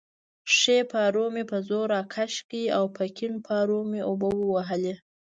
ښی پارو مې په زور راکش کړ او په کیڼ پارو مې اوبه ووهلې.